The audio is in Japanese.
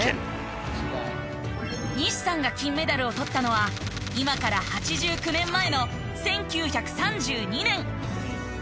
西さんが金メダルをとったのは今から８９年前の１９３２年。